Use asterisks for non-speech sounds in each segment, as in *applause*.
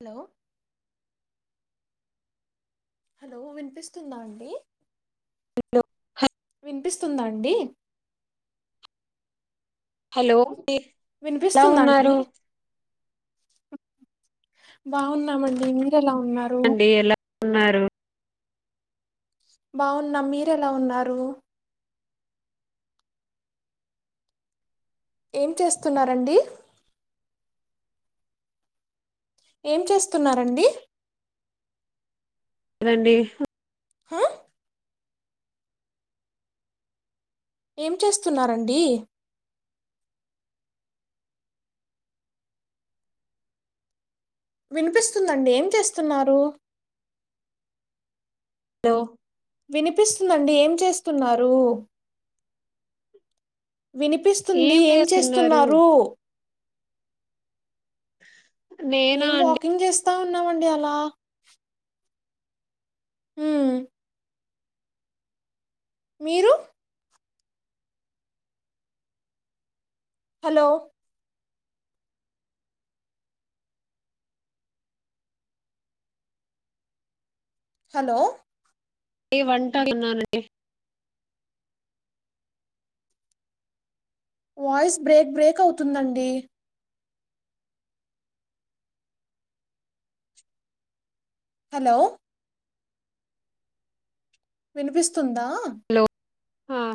Hello hello వినిపిస్తుందా అండి hello వినిపిస్తుందా అండి హలో ఎలా వినిపిస్తుందా అండి ఉన్నారు బాగున్నామండి ఎలా ఉన్నారు అండి ఎలా ఉన్నారు బావున్న మీరెలా ఉన్నారు ఏం చేస్తున్నారంండి ఏం చేస్తున్నారండి అదండి హా ఏం చేస్తున్నారండి వినిపిస్తుందండి ఏం చేస్తున్నారు హలో వినిపిస్తుందండి ఏం చేస్తున్నారు వినిపిస్తుంది ఏం చేస్తున్నారు *inaudible* మేం అండి వాకింగ్ చేస్త వస్తా ఉన్నామండి అలా హ్మ్ మీరు హలో హలో ఏ వంటన్నాే వాయిస్ బ్రేక్ బ్రేక్ అవుతుందండి హలో వినిపిస్తుంది హలో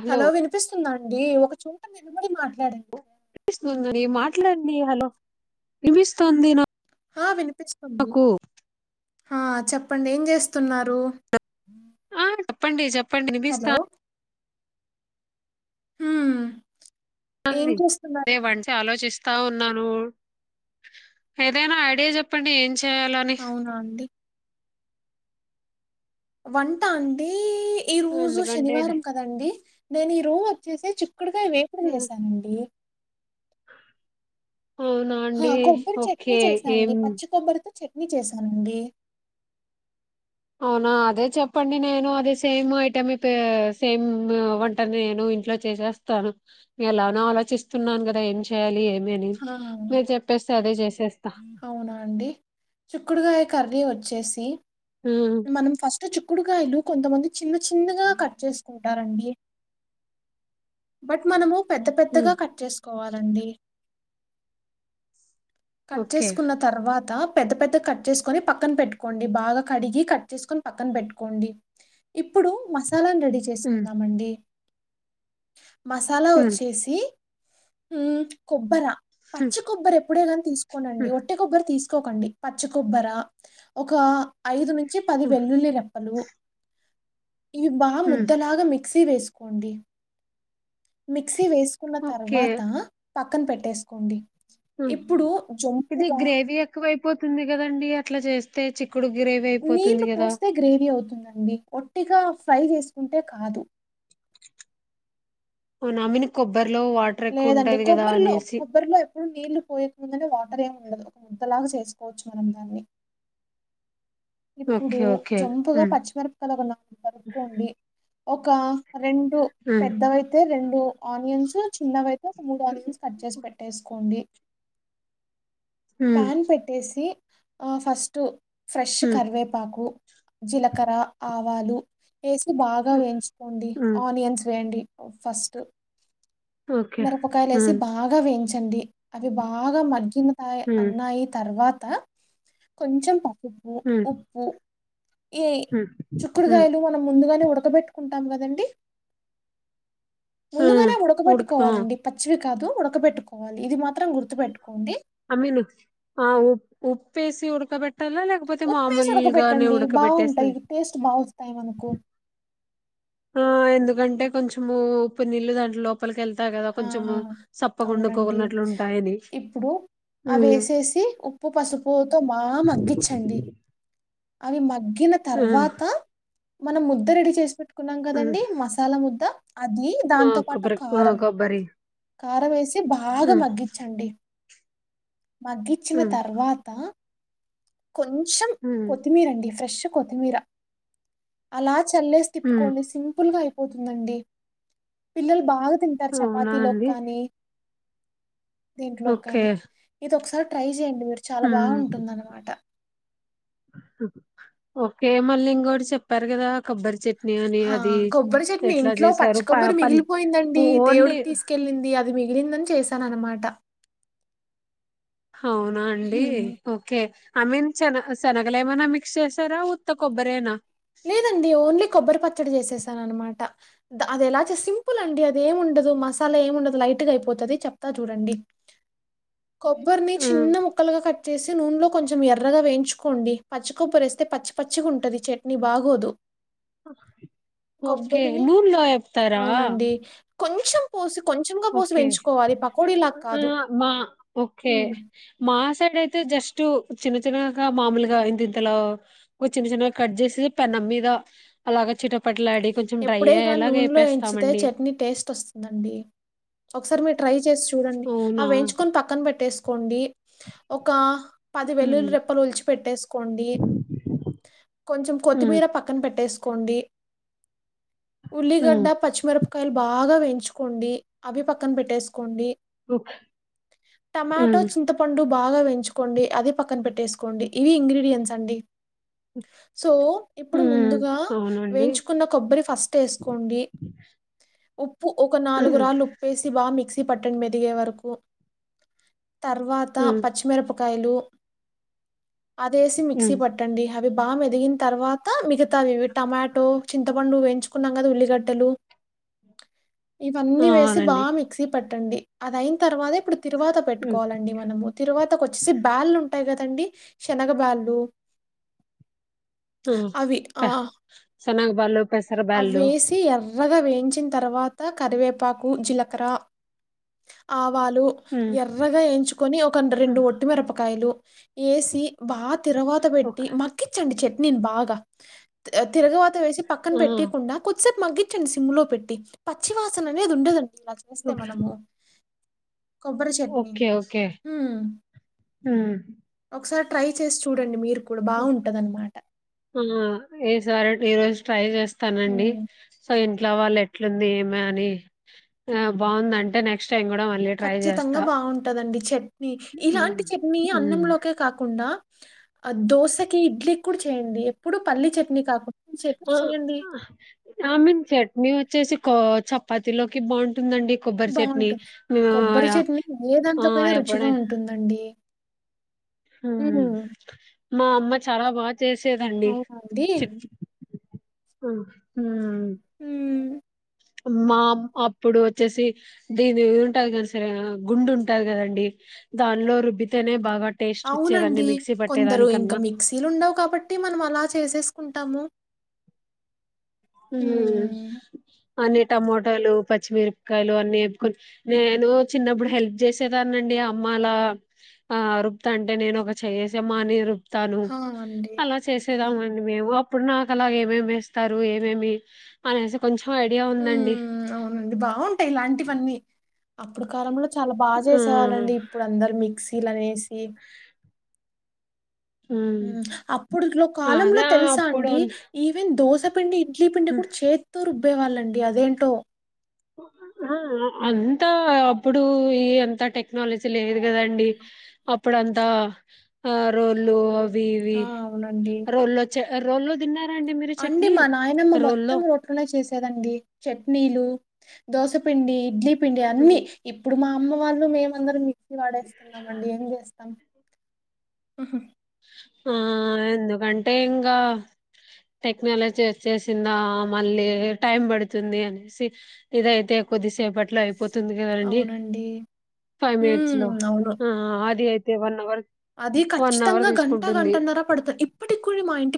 హలో వినిపిస్ వస్తుందండి ఒక చోట నిను మరి మాట్లాడాడి స్తుందిని మాట్లాడండి హలో నిమిస్తుంది. ఆ వినిపిస్తుంది. ఆ చెప్పండి ఏం చేస్తున్నారు. ఆ చెప్పండి చెప్ హలో! *unintelligible* హ అదేవంట ఆలోచిస్త ఉన్నాను ఏదైనా ఐడియా చెప్పండి ఏం చేయాలని అవునా అండి వంటాండి ఈ రోజు ఎందుకంటే డ- శనివారం కదండి. నేను ఈ రోజ అప్ చేససి చి చిక్కుడుకాయ వేపుడు చేశానండి. అవునా హా అండి కొబ్బరి చట్నీ ఓకే చేసా అండి, ఏం పచ్చి కొబ్బరితో చట్నీ. ఇడ్లీ చేశానండి. అవునా అదే చెప్పండి నేను అదే సేమ్ ఐటమ్ సేమ్ వంటని నేను ఇంట్లో చేసేస్తాను. ఎలాన ఆలోచిస్తున్నాను కదా ఏం చేయాలి. ఏమి అని ఆ మీరు చెప్పేస్తే అదే చేసేస్తా అవునా అండి చిక్కుడుకాయ కర్రీ వచ్చేసి ఉమ్ మనం ఫస్ట్ చుక్కుడుకాయలు కొంతమంది చిన్న చిన్నగా కట్ చేసుకుంటారండి. బట్ మనము పెద్ద ఉమ్ పెద్దగా కట్ చేసుకోవాలి. రండి కట్ ఓకే చేసుకున్న తర్వాత పెద్ద పెద్ద కట్ చేసుకొని పక్కన పెట్టుకోండి. బాగా కడిగి కట్ చేసుకొని పక్కన పెట్టుకోండి ఇప్పుడు మ మసలా రెడీ ఉమ్ చేసుకుందామండి. మసాలా ఉమ్ వచ్చేసి హు కొబ్బర ఉమ్ పచ్చి కొబ్బరి ఎప్పుడైనా నండి ఉమ్ ఒటే కొబ తీసుకోకండి పచ్చ కొబర ఒక ఐదు ను వచ్చి పది ఉమ్ వెల్లుల్లి రెప్పలు ఇవ్వా ఉమ్, ముద్దలగా మి మిక్సీ వేసుకోండి వేసుకున్న ఓకే తర్వాత పక్కన పెట్టేసుకోండి హ ఇప్పుడు ఇది జొంపుగా గ్రేవీ ఎక్కువ అయిపోతుంది కదండి అట్లా చేస్తే చి నీళ్లు పోస్తే గ్రేవీ అవుతుందండి ఓట్టిగా ఫ్రై చేసుకుంటే కాదు ఓనామిని కొబ్బ లేదండి కొబ్బరిలో కొబ్బరిలో ఎప్పుడు నీళ్లు పోయకముందనే వా అందర ఏమి ఉండదు ఒక ముద్దలాగా చేసుకోవచ్చు మనం దాన్ని ఇప్పుడు ఓకే ఓకే జంపుగా ఉమ్ పచ్చిమిరపకాయలు ఒక నాలుగు నరుక్కోండి ఒక రెండు ఉమ్ పెద్దవయితే రెండు ఓ ఆనియన్స్ చిన్నవైతే మూడు ఉమ్ ఆనియన్స్ కట్చేసి పెట్ పేట్టేసుకోండి ఉమ్ ప్యాన్ పెట్టేసి ఆ ఫస్ట్ ఉమ్ కర్వేపాకు జిలకర ఆవు వాలు వేసి బాగా వేయించుకోండి ఉమ్ ఆనియన్స్ వేయండి ఫస్ట్ ఓకే మిరపకాయలు ఏసి హ్మ్ బాగా వేయించు అండి అవి బాగా మ నిమ్మకాయే హ్మ్ అన్నాయి తర్వా ఆ కొంచెం పసుపు హ్మ్ ఉప్పు ఈ హ్మ్ హ్మ్ చుక్కుడుగాయలు మనం ముందుగానే ఉడకబెట్టు కుంటాం కదండీ ఆ! ముందుగానే ఉడక ఆ! ఉడకబెట్టుకోవాలండి పచ్చివి కాదు ఉడక పెట్టుకోవాలి ఇది మాత్ అమీని ఆ ఉ ఉప్పేసి ఉడక పెట్ట ఉప్పేసి ఉడక బెట్టండి ఉడకబెట్టేసి బాగుంటాయి టేస్ట్ బా వస్తాయి మనకు ఆ ఎందుకంటే కొంచము ఉప్పు నీళ్ళు దాంట్లో లోపలికి వెళ్ ఆ అవునండి సప్పగుండుకోకున్నట్లుంటాయని. ఇప్పుడు అ హ్మ్. వేసేసి ఉప్పు పసుపుతో బాగా మగ్గిచ్చండి అ మ గిన ఆ! తర్వాత మనం ముద్ద రెడి చేసి పెట్టు కున్నాం హ్మ్. కదండీ మసాలా ముద్ద అది ఆ! దాంతో పాటు కొబ్బరి ఆ! కారం కొబ్బరి. కారం వేసి బాగా హ్మ్. మగ్గిచ్చండి మగ్గిచ్చినా హ్మ్. తర్వాత కొంచెం హ్మ్. కొత్తిమీర అండి ఫ్రెష్ కొతిమీరా అలా చల్లేసి హ్మ్. తిప్పుకోండి సింపుల్ గా పోతుందండి పిల్లలు బాగా తింటారు చప్ అవునా పాతి లో అండి? కాని దీంట్లో ఓకే. కానీ ఇది ఒకసారి ట్రై చే మీరు చాలా హ్మ్. బాగుంటుంద అనమాట ఓకే మళ్ళీ ఇంగోటి చెప్పారు కదా కొబ్బరి చెట్ ఆ కొబ్బరి చట్ని ఇంట్లో పచ్చ చేశారు ప కొబ్బరి పల్ మిగిలిపోయిందండి ఓన్లీ దేవుడికి తీసుకెళ్ళింది అది మిగిలిందని చేశాన అనమాట అవునా అండి ఓకే ఐ మీన్ శన శనగలు ఏమైనా మిక్స్ చేసారా ఉత్త కొబ్బరేనా లేదండి ఓన్లీ కొబ్బరి పచ్చడి చేసేసాను అనమాట అది ఎలా చే సింపుల్ అండి అది ఏమిండదు మసాలా ఏముండదు లైట్గా అయిపోతుది చెప్తా చూడండి కొబ్బరిని ఆ, చిన్న ముక్కలగా ఒక కట్ వచ్చేసి నూనెలో కొంచెం ఎర్రగా వేంచుకోండి పచ్చి కొబ్బరేస్తే పచ్చి పచ్చిగా ఉంటుంది చెట్ ని బాగోదు ఓకే కొబ్బరిని నూర్లో చెప్తారా కొంచం పోూసు ఒకే ఆ కాదు. బా హ్మ్. మా సైడ్ అయితే జస్ట్ చిన్న చిన్నగా మామూలుగా ఇం తింత లా చిన్న చిన్నగా కట్ చేసి పెన్నం మీద అలాగా చిటపడి ఎప్పుడేగా నూనెలో ఎంచితే చట్నీ టేస్ట్ వస్తుందండి ఒకసారి మీరు ట్రై చేసి చూడండి ఆ అవునా వేంచుకొని పక్కన పెట్టేసు కోండి ఒక పది ఉమ్, వెల్లుల్లి రెప్పలు ఉల్చి పెట్టేసుకోండి కొంచెం ఉమ్. కొత్తిమీర పక్కన పెట్టేసుకో కొండి ఉమ్ ఉల్లిగడ్డ పచ్చిమిరప కాయలు బాగా వంచుకోండి అవి పక్కన పెట్టేసుకోండి టమాటో ఉమ్ చింతపండుూ బాగా వేంచుకోండి అదే పక్కన పెట్టేసుకోండి ఇవి ఇంగ్రీడియంట్స్ అండి సో ఇప్పుడు ఉమ్ ముందుగా అవునండి వేయించు న్న కొబ్బరి ఫస్ట్ వేసుకోండి ఒక ఒక ఉమ్ నాలుగురాళ్ళు ఉప్పేసి బా మిక్స్ సి పట్టని మేదిగే వరకు తర్వాత ఉమ్ పచ్చిమిరపకాయలు అదేసి మిక్సీ ఉమ్ పట్టండి అవి బా ఎదిగిన తర్వాత త మిగతావి ఇవి టమాటో నువ్వు ఎంచుకున్నాం కదా ఉల్లిగడ్డలు ఇవన్నీ వేసి అవునండి బాగా మిక్సీ పట్టండి అది అయిన తర్వాత ఇప్పుడు తిరువాత ఉమ్ పెట్టుకోవాలండి మనము తిరువాతకు వచ్చేసి బ్యాల్లుు ఉంటాయి కదా అండి శనగబళ ఆ చ వాళ్ళు పెసర బళ్ళలు బాగా వేయించిన తర్వాత కరివేపాకు జీలకర ఆ వాళ్ళు ఉమ్ ఎర్రగా వయించుకొని ఒక రెండు ఒట్టిమిరపకాయలు ఏసీ బా తిరువాత పెట్టి ఓకే మ్యాగీచండి చెట్ నేను బాగా తిరగ వేసి పక్కన ఆ పెట్టియికుండా కొద్దిసేపు మగ్గించండి సిమ్లో పెట్టి పచ్చివాసన అనేది ఉండదండి ఇలా చేస్తే మనము కొబ్బరి చట్నీ ఓకే ఓకే హ్మ్ ఉమ్ ఒకసారి ట్రై చేసి చూడండి మీరు కూడా బాగుంటదన్నమాట ఏ సారా ఈ రోజు ట్రై చేస్ ఇస్తానండి మ్మ్. సో ఎట్లా వాళ్ళ ఎట్లుంది ఏమ అని ఆ బాగుంద అంట నెక్స్ట్ టైం కూడా మళ్ళీ ట్రై ఖచ్చితంగా చేస్తా బాగుంటదండి చట్నీ ఇలాంటి చట్నీ ఉమ్ అన్నంలోకే కాకుండా దో సె ఇడ్లీ కూడా చేయండి ఇప్పుడు పల్లీలి చట్నీ కాకుండా ఈ చట్నీ ఆ చేయండి ఆమె చట్నీ వచ్చేసి చపాతిలోకి బాం బాగుంటుంది కొబ్బరి ఆ చట్నీ ఏ ఆ దాంట్లోకైనా రుచిగా ఉంటుందండి హ్మ్ ఉమ్, మా అమ్మ చాలా బా చేసేదండి అవునండి చి హ్మ్ హ్మ్ మా అప్పుడు వచ్చేసి దీనింటది కాని సరే గుండు ఉంటది కదండి దానిలో రుబ్బితేనే బాగా టేస్ట్ వచ్చేదండి అవునండి మిక్సీ కొందరు ఇంకా పట్టేదానికన్నా మిక్సీలు ఉండవు కాబట్టి మనం అలా చేసేసుకుంటాము హ్మ్ ఉమ్, అన్ని టమోటాలు పచ్చిమిరపకాయలు అన్ని వేప్పుకొని నేను చిన్నప్పుడు హెల్ప్ చేసేదాన్నిండి ఆ అమ్మాల రూపుతాంటి అంటే నేను ఒక చేయి వేసే మా నేను రూప్ చెతాను హా అండి అలా చేసి *unintelligible* అండి మేము అప్పుడు నాకు అలాగ ఏమేమి ఎస్తారు ఏ ఏమేమి అనేసి కొంచెం ఉందండి హ్మ్ అవునండి బాగుంటాయి ఇలాంటివన్నీ అప్పుడు కాలంలో చాలా బాగా ఆ చేసేవాళ్ళండి ఇప్పుడు అందరు మిక్సీ శిలానేష్ ఏ ఉ అప్పుడుట్లో ఆ కాలంలో అదే తెల్సా అప్పుడు అండి, అంత ఈవెన్ దోస పిండి ఇడ్లీ పిండి కూడా చేత్తో రుబ్ వాళ్ళండి అదేంటో ఆ అంతా అప్పుడు ఈ అంత టెక్నాలజీ లేదు కదండి, అప్పుడ్ అంతా ఆ రోళ్లు వివి ఆ అవునండి రోలోచ్చ రోల్లు దిన్న అండి మా నాయనమ్మ మొత్తం రోట్లనే చేసేదండి, చట్నీలు దోస పిండి ఇడ్లీ పిండి అన్ని ఇప్పుడు మా అమ్మవాళ్ళు మేమందరం వాడేస్తున్నామండి ఏం చేస్తాం. ఆహు ఆ ఎందుకంటే ఇంకా టెక్నాలజీ వచ్చేసిందా మళ్ళీ టైం పడుతుంది, అనేసి ఇదైతే కొద్దిసేపట్ ట్లా అయిపోతుంది కదండి, అవునండి. ఫైవ్ మినిట్స్ హ్మ్. లో అవును. ఆ ఆది ఎవన్నెవర్ అది ఖచ్చితంగా గం ంట గంటన్నర పడుత ఇప్పటి కుడ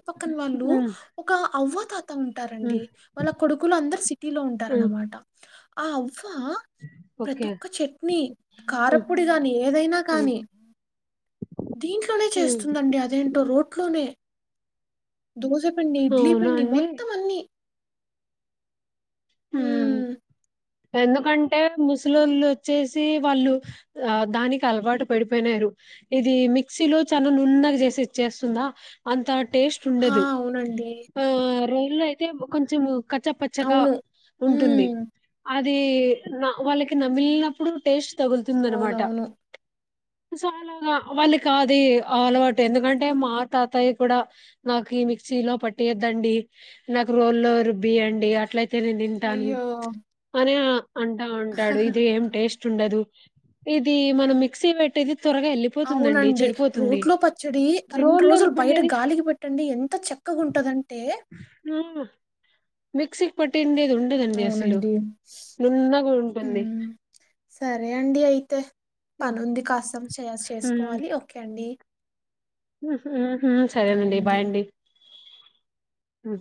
పక్కన వాళ్ళు హ్మ్, ఒక అవ్వ తాత ఉంటారండి, హ్మ్, వాళ్ళ కొడుకులు అందరు సిటీలో హ్మ్, ఉంటారనమాట ఆవ్ ఫ ఓకే ప్రతొక్క చట్నీ హ్మ్, కారప్పొడి కానీ, ఏదైనా హ్మ్, కానీ దీంట్లోనే హ్మ్. చేస్తుందండి, అదేంటో రోట్లోనే దోస పిండి, ఇడ్లీ అవునా పిండి అండి మొత్తం అన్నీ హు హ్మ్. ఎందుకంటే ముసలోళ్ళు వచ్చేసి వాళ్ళు ఆ దానికి అలవాటు పడిపోయినారు. ఇది మిక్సీలో చాలా నున్నగా చేసి ఇచ్చేస్సుందా అంత టేస్ట్ ఆ! ఉండదు. అవునండి. ఆ ట్రైన్ లో అయితే ము కొంచము కచ్చ పచ్చగా అవును. ఉంటుంది హ్మ్. అది వాళ్ళకి నమ్లినప్పుడు టేస్ట్ తగులుతుందనమాట. అవునవును. చాలాగా వాళ్ళ కాదు అలవాటు. ఎందుకంటే మా తాతయ్య కూడా నాకు ఈ మిక్సీలో పట్టియద్దండి నాకు రోల్ల్లో రుబ్బియండి. అట్లయితే అ తను తింటాను అయ్యో! అనే అంటా ఉంటాడు. ఇది ఏం టేస్ట్ ఉండదు ఇది మనం మిక్సీ పెట్టేది. త్వరగా వెళ్ళిపోతుందండి అవునండి చెడిపోతుంది రోట్లో పచ్చడి రెండు రోల్లో రోజులు బయట రుబ్బిండేది గాలికి పెట్టండి. ఎంత చక్కగున్ టదంటే మిక్సీ పట్టిండేది ఇది ఉండదండి, అసలు అవునండి. నున్నగా ఉంటుంది. హ్మ్. సరే అండి అయితే ఉమ్, పనుంది కాసం చేసుకోవాలి ఓకే బాయ్ సరేనండి అండి. బాయండి. అ